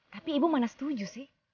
tapi ibu mana setuju sih